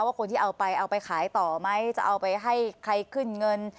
ว่าคนที่เอาไปเอาไปขายต่อไหมจะเอาไปให้ใครขึ้นเงิน